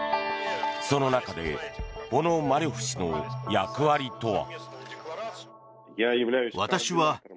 その中でポノマリョフ氏の役割とは。